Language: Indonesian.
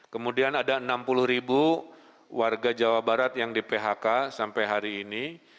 kemudian ada enam puluh ribu warga jawa barat yang di phk sampai hari ini